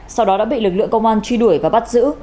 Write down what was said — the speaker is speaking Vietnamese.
sau đó đã bị lực lượng công an truy đuổi và bắt giữ